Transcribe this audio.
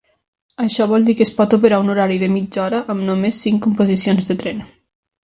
Això vol dir que es pot operar un horari de mitja hora amb només cinc composicions de tren.